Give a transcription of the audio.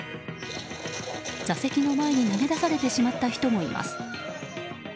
座席の前に投げ出されてしまった人もいます。